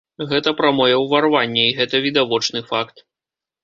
Гэта прамое ўварванне, і гэта відавочны факт.